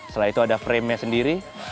setelah itu ada frame nya sendiri